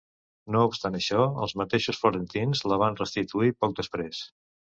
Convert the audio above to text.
No obstant això, els mateixos florentins la van restituir poc després.